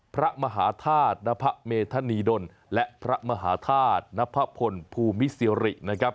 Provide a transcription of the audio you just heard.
พระมหาธาตุนพะเมธานีดลและพระมหาธาตุนพพลภูมิสิรินะครับ